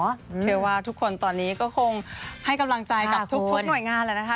เชื่อว่าทุกคนตอนนี้ก็คงให้กำลังใจกับทุกหน่วยงานแหละนะคะ